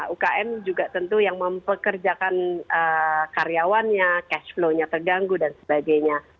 ukm juga tentu yang mempekerjakan karyawannya cashflownya terganggu dan sebagainya